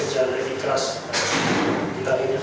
saya pikir setelah kita dikerja